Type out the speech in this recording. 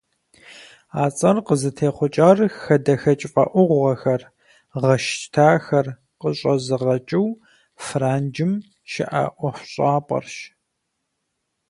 А цӏэр къызытехъукӏар хадэхэкӏ фӏэӏугъэхэр, гъэщтахэр къыщӏэзыгъэкӏыу Франджым щыӏэ ӏуэхущӏапӏэрщ.